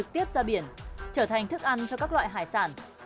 tiếp ra biển trở thành thức ăn cho các loại hải sản